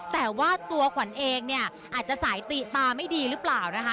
แต่ว่าตัวขวัญเองเนี่ยอาจจะสายติตาไม่ดีหรือเปล่านะคะ